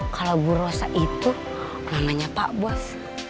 kalau bu rosa itu namanya pak bos